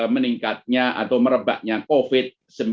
meningkatnya atau merebaknya covid sembilan belas